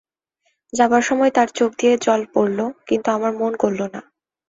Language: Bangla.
যাবার সময় তার চোখ দিয়ে জল পড়ল, কিন্তু আমার মন গলল না।